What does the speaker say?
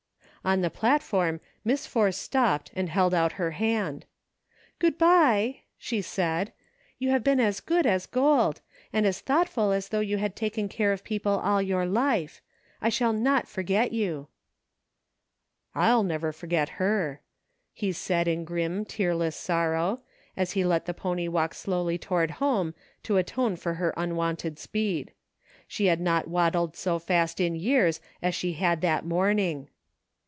On the platform Miss Force stopped and held out her hand. "Good by !" she said ; "you have been as good as gold ; and as thoughtful as though you had taken care of people all your life. I shall not for get you." " I'll never forget her," he said, in grim, tearless sorrow, as he let the pony walk slowly toward home to atone for her unwonted speed; she had I/O SAGE CONCLUSIONS. not waddled so fast in years as she had that morn ing.